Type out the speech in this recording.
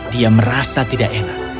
dia merasa tidak enak